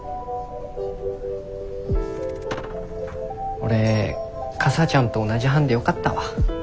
俺かさちゃんと同じ班でよかったわ。